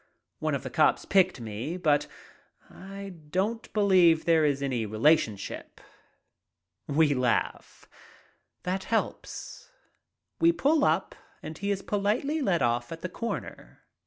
One of the cops picked me, but I don't believe there is any relationship." We laugh. That helps. We pull up and he is politely let off at the corner.